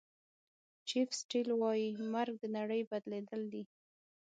چیف سیټل وایي مرګ د نړۍ بدلېدل دي.